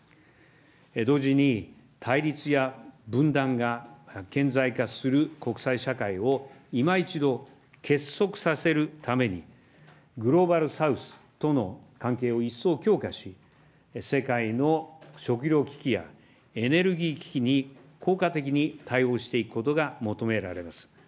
同時に、対立や分断が顕在化する国際社会を今一度結束させるために、グローバル・サウスとの関係を一層強化し、世界の食料危機やエネルギー危機に効果的に対応していくことが求められます。